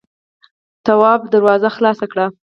تواب دروازه خلاصه کړه.